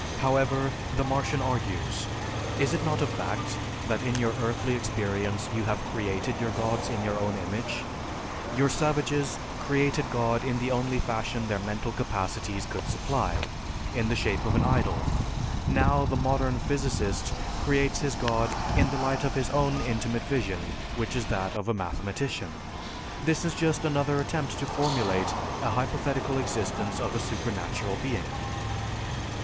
However, the Martian argues, "Is it not a fact that in your earthly experience, you have created your gods in your own image? Your savages created God in the only fashion their mental capacities could supply, in the shape of an idol; now the modern physicist creates his god in the light of his own intimate vision, which is that of a mathematician! This is just another attempt to formulate an hypothetical existence of a supernatural being."